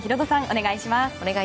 お願いします。